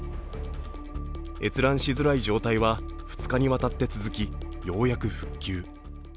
閲覧しづらい状態は２日にわたって続き、ようやく復旧。